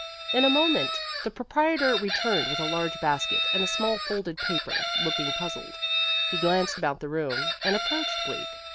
In a moment the proprietor returned with a large basket and a small folded paper, looking puzzled. He glanced about the room, and approached Bleak.